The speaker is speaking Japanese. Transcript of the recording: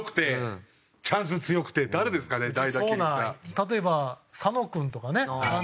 例えば佐野君とかね。